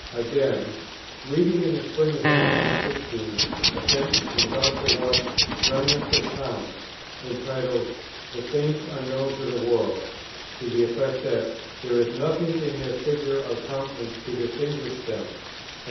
Again: "Reading in the Spring of 1816 a sentence from [Dr. Watts's] 'Remnants of Time,' entitled 'the Saints unknown to the world,' to the effect, that 'there is nothing in their figure or countenance to distinguish them,' &c.